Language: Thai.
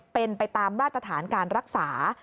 เป็นไปตามมาตรฐานการรักษา